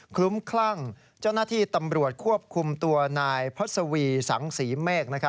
คลุ้มคลั่งจนาที่ตรรมโรชน์ควบคุมตัวนายพทศวีศังสีเมก